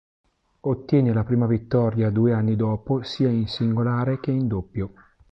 Ottiene la prima vittoria due anni dopo sia in singolare che in doppio.